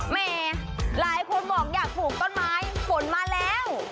แหมหลายคนบอกอยากปลูกต้นไม้ฝนมาแล้ว